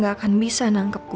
mereka gak akan bisa nangkep gue